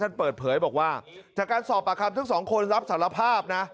เปิดเผยบอกว่าจากการสอบปากคำทั้งสองคนรับสารภาพนะ